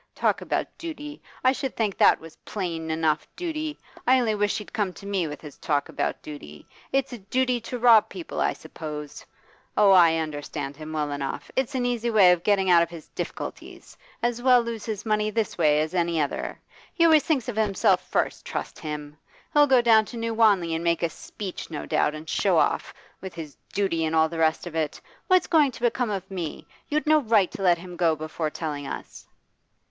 Talk about duty! I should think that was plain enough duty. I only wish he'd come to me with his talk about duty. It's a duty to rob people, I suppose? Oh, I understand him well enough. It's an easy way of getting out of his difficulties; as well lose his money this way as any other. He always thinks of himself first, trust him! He'll go down to New Wanley and make a speech, no doubt, and show off with his duty and all the rest of it! What's going to become of me? You'd no right to let him go before telling us.